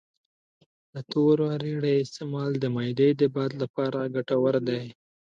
د تورې اریړې استعمال د معدې د باد لپاره ګټور دی